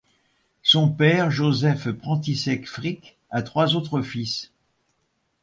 Son père, Josef František Frič, a trois autres fils.